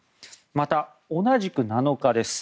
また、同じく７日です。